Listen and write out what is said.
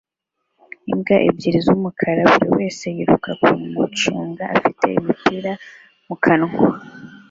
imbwa ebyiri z'umukara buri wese yiruka ku mucanga afite imipira mu kanwa